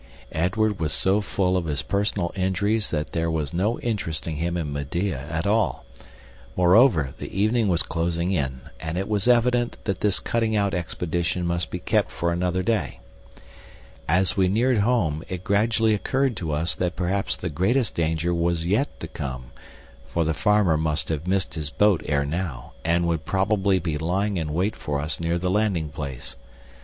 Edward was so full of his personal injuries that there was no interesting him in Medea at all. Moreover, the evening was closing in, and it was evident that this cutting out expedition must be kept for another day. As we neared home, it gradually occurred to us that perhaps the greatest danger was yet to come; for the farmer must have missed his boat ere now, and would probably be lying in wait for us near the landing place.